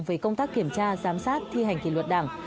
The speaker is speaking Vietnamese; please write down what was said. về công tác kiểm tra giám sát thi hành kỷ luật đảng